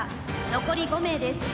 残り５名です。